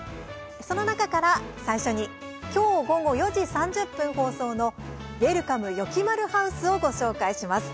その中から、最初に今日、午後４時３０分放送の「ウェルカム！よきまるハウス」をご紹介します。